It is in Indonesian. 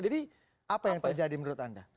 apa yang terjadi menurut anda